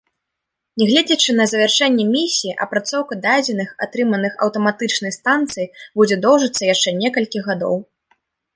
Нягледзячы на завяршэнне місіі, апрацоўка дадзеных, атрыманых аўтаматычнай станцыяй, будзе доўжыцца яшчэ некалькі гадоў.